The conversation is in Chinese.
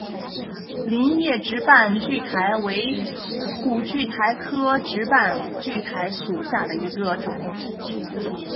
菱叶直瓣苣苔为苦苣苔科直瓣苣苔属下的一个种。